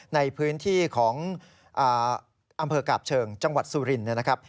ในพื้นที่ของอำเภอกาบเชิงจังหวัดสุรินทร์นะครับ